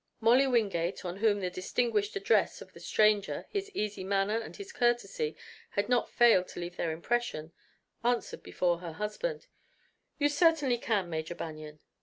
Molly Wingate, on whom the distinguished address of the stranger, his easy manner and his courtesy had not failed to leave their impression, answered before her husband. "You certainly can, Major Banion."